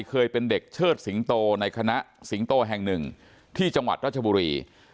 เคยเป็นเด็กเชิดสิงโตในคณะสิงโตแห่งหนึ่งที่จังหวัดราชบุรี